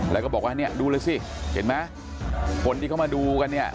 แล้วก็บอกว่าเนี่ยดูเลยสิเห็นไหมคนที่เขามาดูกันเนี่ย